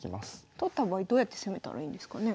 取った場合どうやって攻めたらいいんですかね。